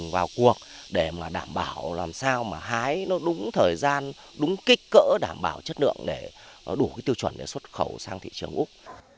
vào cuộc để mà đảm bảo làm sao mà hái nó đúng thời gian đúng kích cỡ đảm bảo chất lượng để đủ tiêu chuẩn để xuất khẩu sang thị trường úc